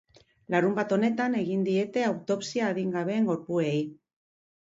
Larunbat honetan egin diete autopsia adingabeen gorpuei.